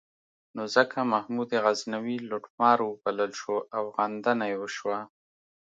نو ځکه محمود غزنوي لوټمار وبلل شو او غندنه یې وشوه.